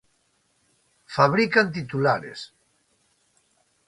Fabrican titulares.